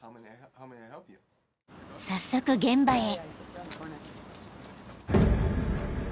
［早速現場へ］